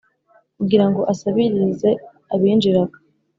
Kugira ngo asabirize abinjiraga